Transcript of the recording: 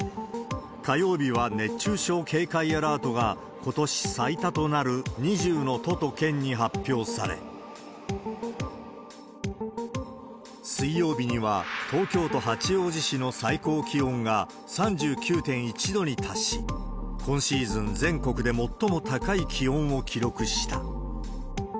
火曜日は熱中症警戒アラートが、ことし最多となる２０の都と県に発表され、水曜日には、東京都八王子市の最高気温が３９．１度に達し、今シーズン全国で最も高い気温を記録した。